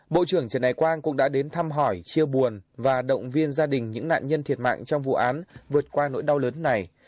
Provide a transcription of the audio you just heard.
bộ trưởng trần đại quang cũng đã đến thăm hỏi chia buồn và động viên gia đình những nạn nhân thiệt mạng trong vụ án vượt qua nỗi đau lớn này